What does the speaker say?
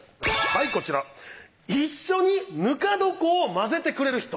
はいこちら「一緒にぬか床を混ぜてくれる人」